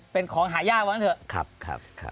เป็นของหายากว่างั้นเถอะ